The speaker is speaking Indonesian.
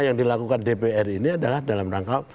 yang dilakukan dpr ini adalah dalam rangka